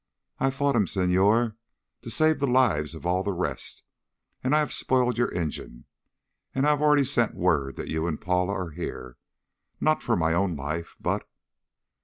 "I fought him, Senhor, to save the lives of all the rest. And I have spoiled your engine, and I have already sent word that you and Paula are here. Not for my own life, but...."